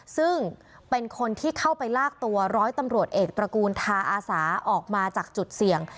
ซึ่งเป็นคนที่เข้าไปลากตัวร้อยตำรวจเอกตระกูลทาอาสาออกมาจากจุดเสี่ยง